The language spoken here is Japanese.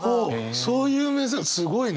そういう目線すごいね。